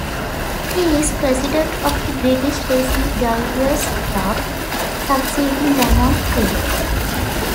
He is president of the British Racing Drivers Club, succeeding Damon Hill.